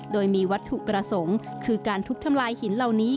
โดยมีวัตถุประสงค์คือการทุบทำลายหินเหล่านี้